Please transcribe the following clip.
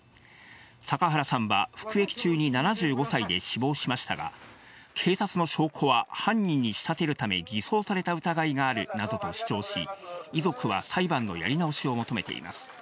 阪原さんは服役中に７５歳で死亡しましたが、警察の証拠は犯人に仕立てるため、偽装された疑いがあるなどと主張し、遺族は裁判のやり直しを求めています。